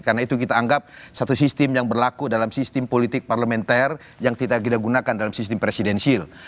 karena itu kita anggap satu sistem yang berlaku dalam sistem politik parlementer yang tidak digunakan dalam sistem presidensil